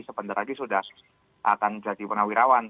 sebentar lagi sudah akan jadi warna wirawan